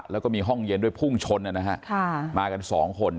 แล้วก็มีห้องเย็นด้วยพุ่งชนนะฮะมากันสองคน